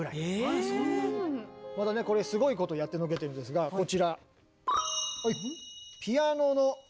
え⁉またねこれすごいことをやってのけているんですがこちら。